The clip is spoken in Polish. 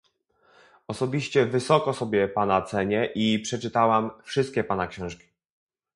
Osobiście wysoko sobie pana cenię i przeczytałam wszystkie pana książki